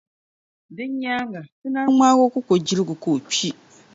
Din nyaaŋa, Ti naan ŋmaagi o kukojilgu ka o kpi.